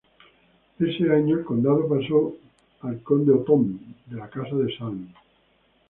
Ese año, el condado pasó al Conde Otón, de la Casa de Salm.